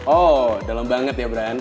oh dalam banget ya brand